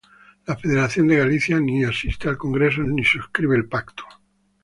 La Federación de Galicia, ni asiste al Congreso ni suscribe el pacto.